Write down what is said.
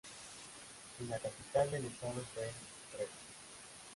La capital del estado fue Rewa.